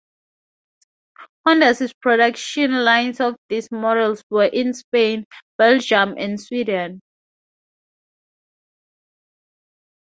Honda's production lines of these models were in Spain, Belgium and Sweden.